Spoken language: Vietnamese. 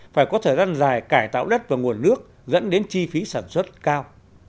phải có thời gian dài cải tạo đất và nguồn nước dẫn đến chi phí sản xuất cao